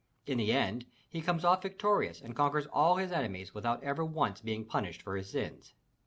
In the end he comes off victorious and conquers all his enemies without ever once being punished for his sins!